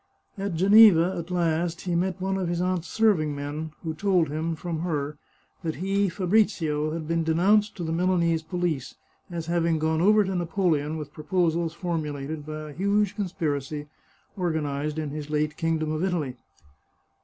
At Geneva, at last, he met one of his aunt's serving men, who told him, from her, that he, Fabrizio, had been de nounced to the Milanese police, as having gone over to Napoleon with proposals formulated by a huge conspiracy organized in his late Kingdom of Italy.